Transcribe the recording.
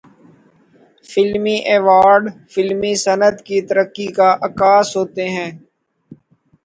فلمی ایوارڈز فلمی صنعت کی ترقی کا عکاس ہوتے ہیں۔